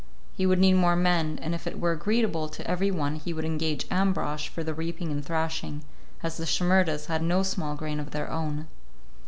He would need more men, and if it were agreeable to every one he would engage Ambrosch for the reaping and thrashing, as the Shimerdas had no small grain of their own.